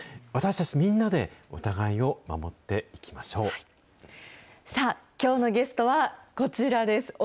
私たちみんなで、お互いを守ってさあ、きょうのゲストはこちらです。